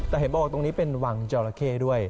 แต่เห็นบอกว่าตรงนี้เป็นวังจอราเข้ด้วย